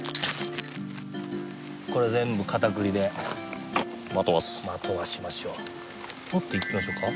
これ全部片栗でまとわすまとわしましょうもっといきましょうか？